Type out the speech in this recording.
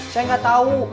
saya gak tau